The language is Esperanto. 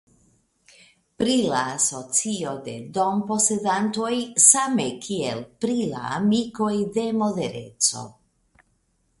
Pri la asocio de domposedantoj same kiel pri la amikoj de modereco.